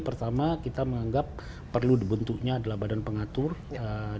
pertama kita menganggap perlu dibentuknya adalah badan pengatur di sektor kita mengelisihkan